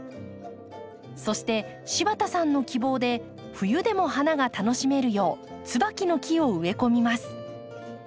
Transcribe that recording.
そして柴田さんの希望で冬でも花が楽しめるようツバキの木を植え込みます。